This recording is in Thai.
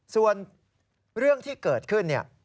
ส่วนเรื่องที่เกิดขึ้นเนี่ย